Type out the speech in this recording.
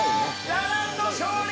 ラランド、勝利。